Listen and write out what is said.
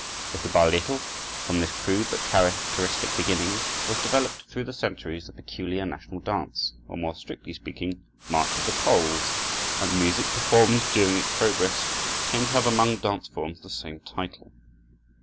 Little by little, from this crude but characteristic beginning was developed through the centuries the peculiar national dance, or, more strictly speaking, march of the Poles; and the music performed during its progress came to have among dance forms the same title.